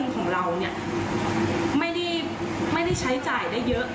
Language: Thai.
ของเราเนี่ยไม่ได้ใช้จ่ายได้เยอะ